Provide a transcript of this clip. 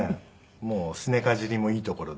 もうすねかじりもいいところで。